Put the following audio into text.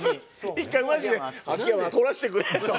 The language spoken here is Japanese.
１回マジで「秋山とらせてくれ」って。